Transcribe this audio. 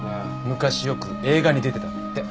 昔よく映画に出てたんだって。